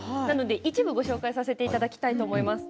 一部ご紹介させていただきたいと思います。